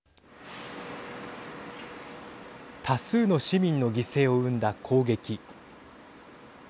多数の市民の犠牲を生んだ攻撃。